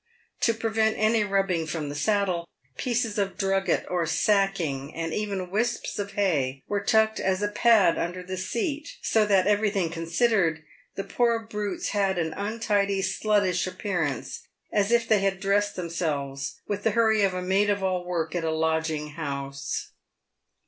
To pre vent any rubbing from the saddle, pieces of drugget or sacking, and even whisps of hay, were tucked as a pad under the seat, so that, everything considered, the poor brutes had an untidy, sluttish ap pearance, as if they had dressed themselves with the hurry of a maid of all work at a lodging house.